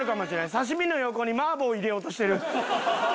刺身の横に麻婆入れようとしてる。